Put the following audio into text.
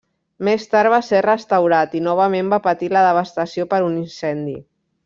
Més tard va ser restaurat i novament va patir la devastació per un incendi.